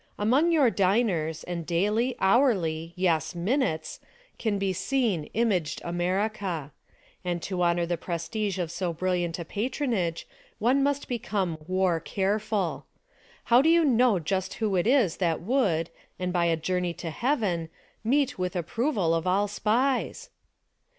Among your diners, and daily, hourl}^, 3''es, minutes, can be seen, imaged America. And to honor the prestige of so brilliant a patronage one must be come WAR careful. How do you know just who it is that would, and by a journey to Heaven, meet with the approval of all SPIES?